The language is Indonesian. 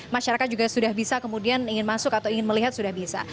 masyarakat juga sudah bisa kemudian ingin masuk atau ingin melihat sudah bisa